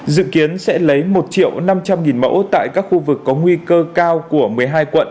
dự kiến sẽ lấy một năm trăm linh mẫu tại các khu vực có nguy cơ cao của một mươi hai quận